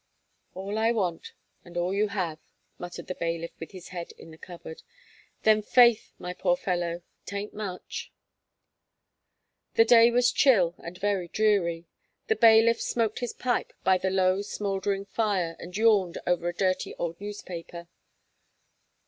"All I want, and all you have," muttered the bailiff with his head in the cupboard. "Then faith, my poor fellow, 'tain't much." The day was chill and very dreary; the bailiff smoked his pipe by the low smouldering fire, and yawned over a dirty old newspaper.